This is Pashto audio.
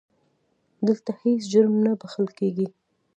دلته هیڅ جرم نه بښل کېږي.